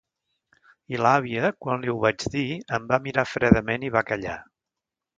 I l'àvia, quan li ho vaig dir, em va mirar fredament i va callar.